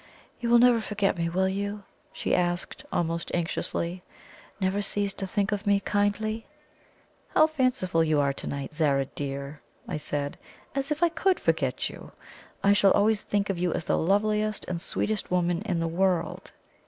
"You will never forget me, will you?" she asked almost anxiously; "never cease to think of me kindly?" "How fanciful you are to night, Zara dear!" I said. "As if I COULD forget you! I shall always think of you as the loveliest and sweetest woman in the world."